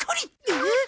えっ！？